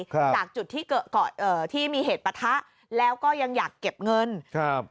ครับจากจุดที่เกิดเกาะเอ่อที่มีเหตุปะทะแล้วก็ยังอยากเก็บเงินครับ